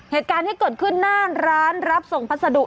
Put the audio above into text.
เหตุการณ์ที่เกิดขึ้นหน้าร้านรับส่งพัสดุ